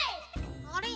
あれ？